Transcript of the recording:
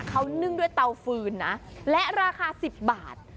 เขานึ่งด้วยเตาฟืนนะและราคา๑๐บาท